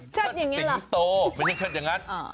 เชิดอย่างนี้หรอเชิดสิงโตไม่ใช่เชิดอย่างนั้น